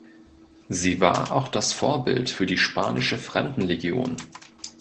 Sie war auch das Vorbild für die Spanische Fremdenlegion.